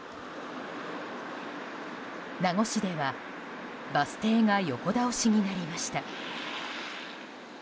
名護市ではバス停が横倒しになりました。